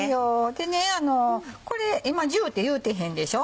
でねこれ今ジュっていうてへんでしょ。